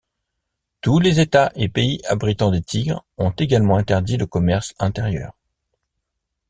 Tous les États et pays abritant des tigres ont également interdit le commerce intérieur.